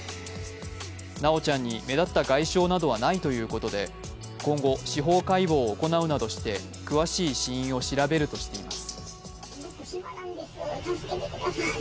修ちゃんに目立った外傷などはないということで今後、司法解剖を行うなどして詳しい死因を調べるとしています。